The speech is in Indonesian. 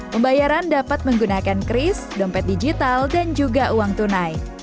pembayaran dapat menggunakan kris dompet digital dan juga uang tunai